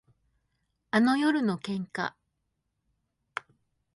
あの夜の喧嘩